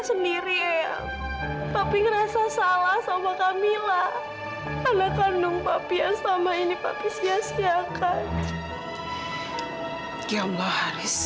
sendiri ya tapi ngerasa salah